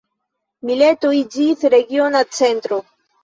Mileto iĝis regiona centro.